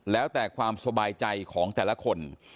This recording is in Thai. แล้วแต่ความสบายใจของแต่ละคน